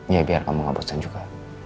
ya biar kamu nggak bosan juga